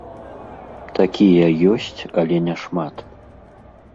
Такія ёсць, але няшмат.